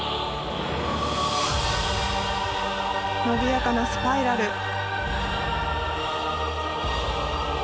伸びやかなスパイラル。